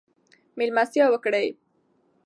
مېلمستیا وکړئ.